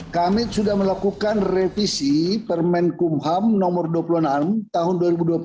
kami sudah melakukan revisi permen kumham nomor dua puluh enam tahun dua ribu dua puluh